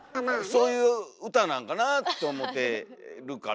そういう歌なんかなあって思てるから。